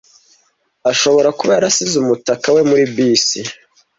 Ashobora kuba yarasize umutaka we muri bisi.